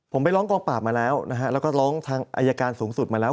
ผมไปร้องกองปราบมาแล้วนะฮะแล้วก็ร้องทางอายการสูงสุดมาแล้ว